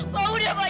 pak udah pak